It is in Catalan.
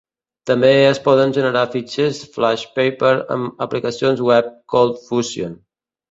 També es poden generar fitxers FlashPaper amb aplicacions web ColdFusion.